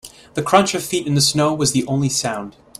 The crunch of feet in the snow was the only sound.